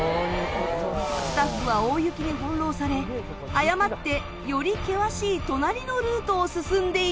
スタッフは大雪に翻弄され誤ってより険しい隣のルートを進んでいたのだ。